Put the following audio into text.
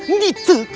ini tidak baik